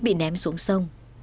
bị ném xuống sông